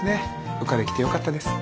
羽化できてよかったです。